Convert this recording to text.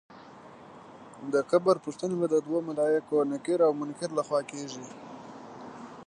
د قبر پوښتنې به د دوو ملایکو نکیر او منکر له خوا کېږي.